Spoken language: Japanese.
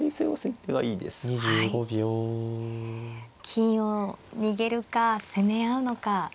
金を逃げるか攻め合うのか。